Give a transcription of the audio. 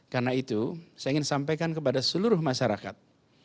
karena itu saya ingin sampaikan kepada seluruh masyarakat